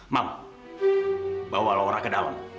mam bawa laura ke dalam